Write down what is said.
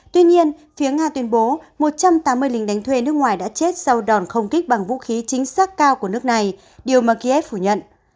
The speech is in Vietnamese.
tuy nhiên phía nga tuyên bố một trăm tám mươi lính đánh thuê nước ngoài đã chết sau đòn không kích bằng vũ khí chính xác cao của nước này điều mà kiev phủ nhận